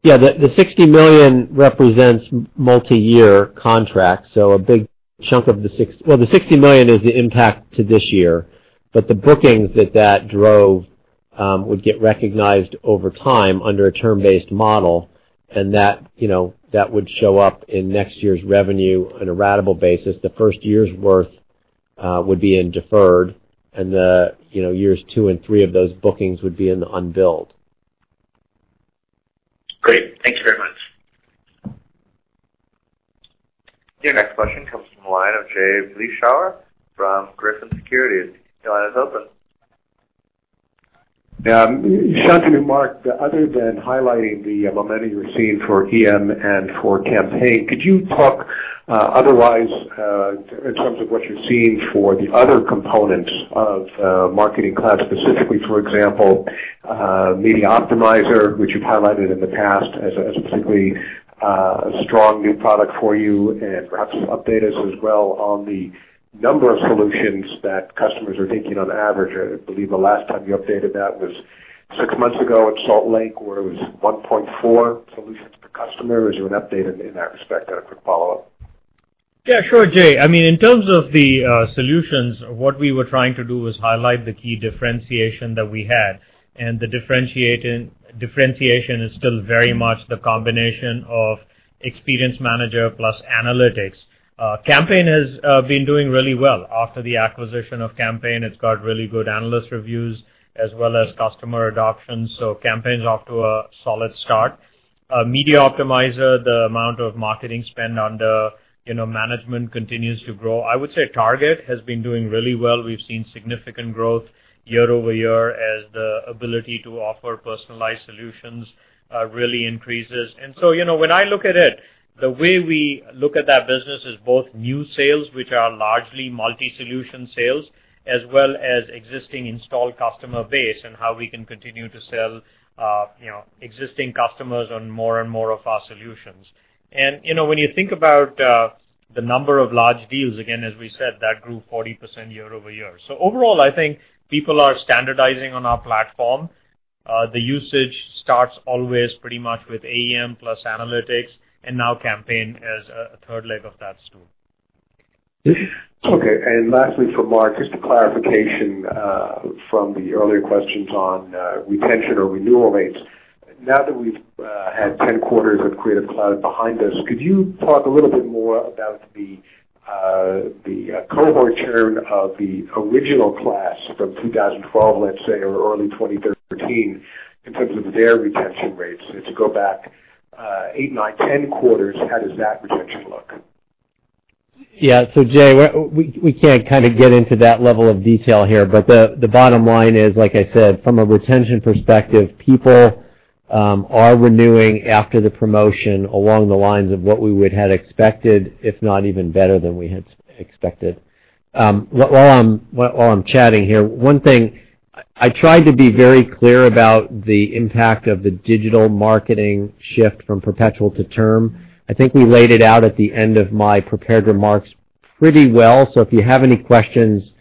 Yeah, the $60 million represents multi-year contracts, a big chunk of the Well, the $60 million is the impact to this year, the bookings that that drove would get recognized over time under a term-based model, that would show up in next year's revenue on a ratable basis. The first year's worth would be in deferred, the years two and three of those bookings would be in the unbilled. Great. Thank you very much. Your next question comes from the line of Jay Vleeschhouwer from Griffin Securities. Your line is open. Yeah. Shantanu, Mark, other than highlighting the momentum you're seeing for AEM and for Campaign, could you talk otherwise, in terms of what you're seeing for the other components of Marketing Cloud specifically? For example, Media Optimizer, which you've highlighted in the past as a particularly strong new product for you, and perhaps update us as well on the number of solutions that customers are taking on average. I believe the last time you updated that was six months ago in Salt Lake, where it was 1.4 solutions per customer. Is there an update in that respect? A quick follow-up. Yeah, sure, Jay. In terms of the solutions, what we were trying to do was highlight the key differentiation that we had, and the differentiation is still very much the combination of Experience Manager plus analytics. Campaign has been doing really well. After the acquisition of Campaign, it's got really good analyst reviews as well as customer adoption, so Campaign's off to a solid start. Media Optimizer, the amount of marketing spend under management continues to grow. I would say Target has been doing really well. We've seen significant growth year-over-year as the ability to offer personalized solutions really increases. When I look at it, the way we look at that business is both new sales, which are largely multi-solution sales, as well as existing installed customer base and how we can continue to sell existing customers on more and more of our solutions. When you think about the number of large deals, again, as we said, that grew 40% year-over-year. Overall, I think people are standardizing on our platform. The usage starts always pretty much with AEM plus analytics, and now Campaign as a third leg of that stool. Lastly for Mark, just a clarification from the earlier questions on retention or renewal rates. Now that we've had 10 quarters of Creative Cloud behind us, could you talk a little bit more about the cohort churn of the original class from 2012, let's say, or early 2013, in terms of their retention rates? To go back eight, nine, 10 quarters, how does that retention look? Yeah. Jay Vleeschhouwer, we can't get into that level of detail here. The bottom line is, like I said, from a retention perspective, people are renewing after the promotion along the lines of what we would had expected, if not even better than we had expected. While I'm chatting here, I tried to be very clear about the impact of the digital marketing shift from perpetual to term. I think we laid it out at the end of my prepared remarks pretty well. If you have any questions,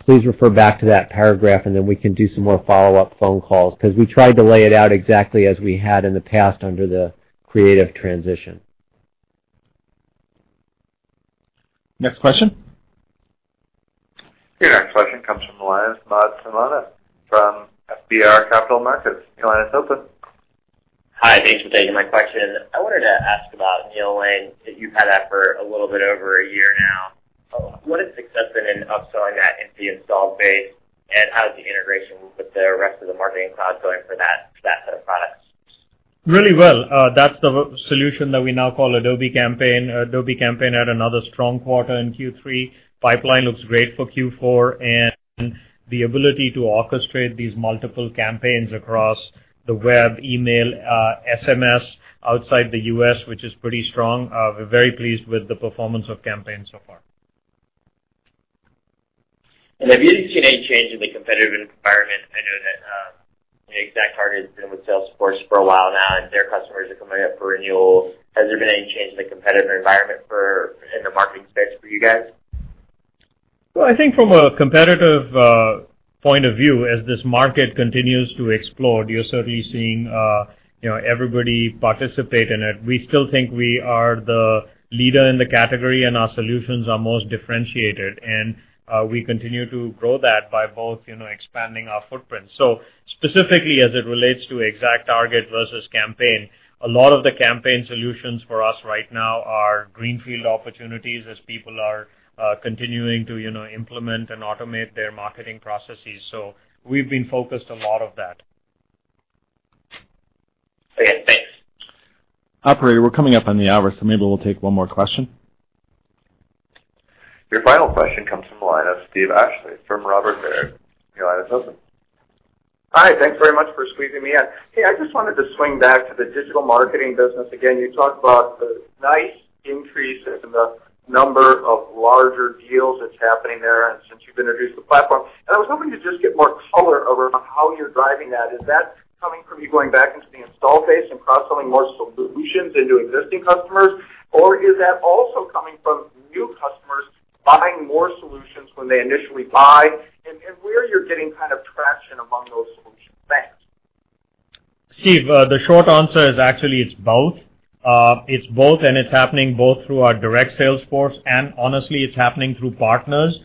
please refer back to that paragraph, then we can do some more follow-up phone calls, because we tried to lay it out exactly as we had in the past under the Creative transition. Next question. Your next question comes from the line of Maude Carmona from FBR Capital Markets. Your line is open. Hi, thanks for taking my question. I wanted to ask about Neolane, since you've had that for a little bit over a year now. What has success been in upselling that into the installed base, and how has the integration with the rest of the Marketing Cloud going for that set of products? Really well. That's the solution that we now call Adobe Campaign. Adobe Campaign had another strong quarter in Q3. Pipeline looks great for Q4, the ability to orchestrate these multiple campaigns across the web, email, SMS outside the U.S., which is pretty strong. We're very pleased with the performance of Campaign so far. Have you seen any change in the competitive environment? I know that Exact Target has been with Salesforce for a while now, and their customers are coming up for renewal. Has there been any change in the competitive environment in the marketing space for you guys? Well, I think from a competitive point of view, as this market continues to explode, you're certainly seeing everybody participate in it. We still think we are the leader in the category, and our solutions are most differentiated, and we continue to grow that by both expanding our footprint. Specifically, as it relates to Exact Target versus Campaign, a lot of the Campaign solutions for us right now are greenfield opportunities as people are continuing to implement and automate their marketing processes. We've been focused a lot on that. Okay, thanks. Operator, we're coming up on the hour, maybe we'll take one more question. Your final question comes from the line of Steven Ashley from Robert W. Baird. Your line is open. Hi. Thanks very much for squeezing me in. Hey, I just wanted to swing back to the digital marketing business again. You talked about the nice increase in the number of larger deals that's happening there since you've introduced the platform. I was hoping to just get more color around how you're driving that. Is that coming from you going back into the install base and cross-selling more solutions into existing customers? Or is that also coming from new customers buying more solutions when they initially buy, and where you're getting kind of traction among those solution banks. Steven, the short answer is actually it's both. It's both, it's happening both through our direct sales force, honestly, it's happening through partners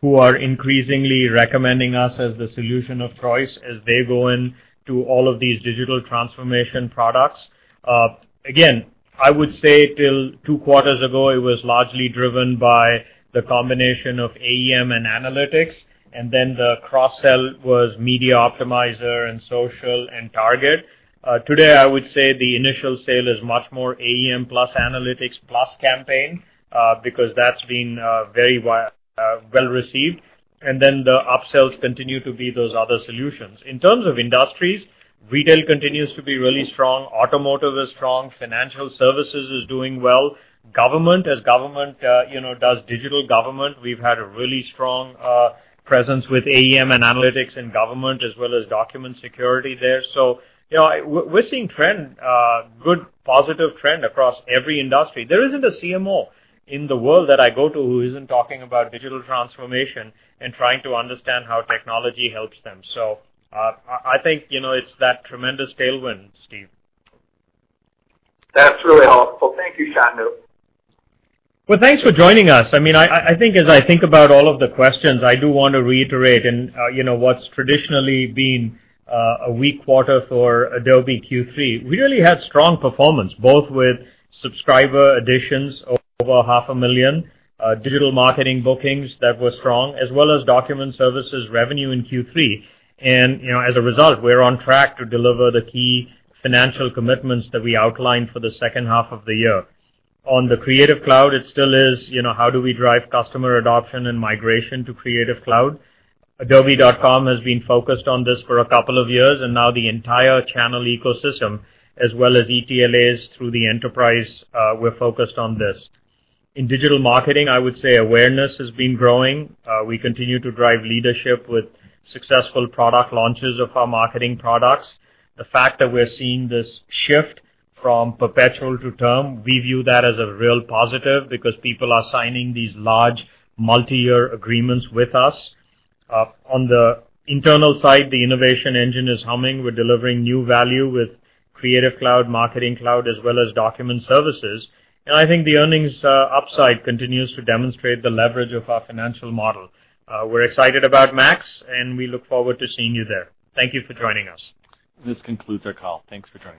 who are increasingly recommending us as the solution of choice as they go into all of these digital transformation products. Again, I would say till two quarters ago, it was largely driven by the combination of AEM and analytics, then the cross-sell was Media Optimizer and social and Target. Today, I would say the initial sale is much more AEM plus analytics plus Campaign, because that's been very well-received. The up-sells continue to be those other solutions. In terms of industries, retail continues to be really strong. Automotive is strong. Financial services is doing well. Government, as government does digital government. We've had a really strong presence with AEM and analytics in government, as well as Document Services there. We're seeing good positive trend across every industry. There isn't a CMO in the world that I go to who isn't talking about digital transformation and trying to understand how technology helps them. I think, it's that tremendous tailwind, Steven. That's really helpful. Thank you, Shantanu. Well, thanks for joining us. I think as I think about all of the questions, I do want to reiterate in what's traditionally been a weak quarter for Adobe Q3. We really had strong performance, both with subscriber additions over half a million, digital marketing bookings that were strong, as well as Document Services revenue in Q3. As a result, we're on track to deliver the key financial commitments that we outlined for the second half of the year. On the Creative Cloud, it still is, how do we drive customer adoption and migration to Creative Cloud? Adobe.com has been focused on this for a couple of years, and now the entire channel ecosystem, as well as ETLAs through the enterprise, we're focused on this. In digital marketing, I would say awareness has been growing. We continue to drive leadership with successful product launches of our marketing products. The fact that we're seeing this shift from perpetual to term, we view that as a real positive because people are signing these large multi-year agreements with us. On the internal side, the innovation engine is humming. We're delivering new value with Creative Cloud, Marketing Cloud, as well as Document Services. I think the earnings upside continues to demonstrate the leverage of our financial model. We're excited about MAX, and we look forward to seeing you there. Thank you for joining us. This concludes our call. Thanks for joining.